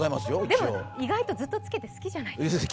でも、意外とずっとつけて、好きじゃないですか。